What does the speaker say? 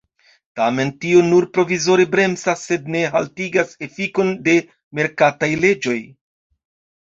Tamen tio nur provizore bremsas, sed ne haltigas efikon de merkataj leĝoj.